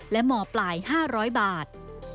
และมปลาย๕๐๐บาท